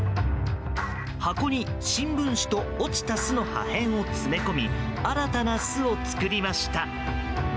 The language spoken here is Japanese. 箱に新聞紙と落ちた巣の破片を詰め込み新たな巣を作りました。